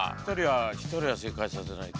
１人は正解させないと。